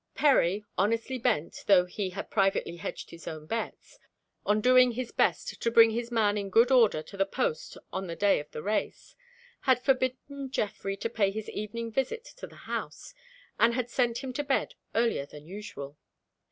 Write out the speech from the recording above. Perry, honestly bent though he had privately hedged his own bets on doing his best to bring his man in good order to the post on the day of the race, had forbidden Geoffrey to pay his evening visit to the house, and had sent him to bed earlier than usual.